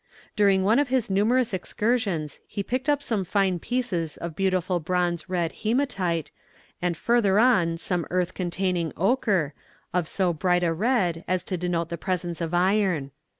During one of his numerous excursions he picked up some fine pieces of beautiful bronze red hæmatite, and further on some earth containing ochre, of so bright a red as to denote the presence of iron.